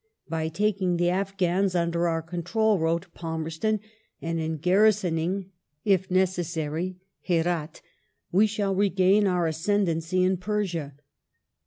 " By taking the Afghans under our protection," wrote Palmerston, "and in gamsoning (if necessary) Herat, we shall regain our ascendancy in Persia.